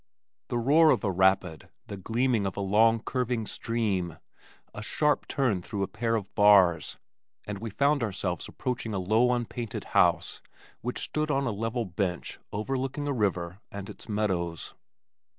The roar of a rapid, the gleam of a long curving stream, a sharp turn through a pair of bars, and we found ourselves approaching a low unpainted house which stood on a level bench overlooking a river and its meadows.